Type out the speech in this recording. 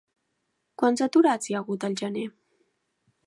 Quants aturats hi ha hagut al gener?